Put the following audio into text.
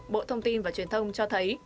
bộ thông tin và truyền thông cho thấy